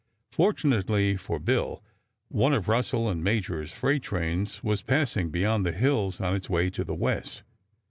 Fortunately for Bill one of Russell & Majors' freight trains was passing beyond the hills on its way to the West.